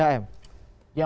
ya menteri pertahanan ini kan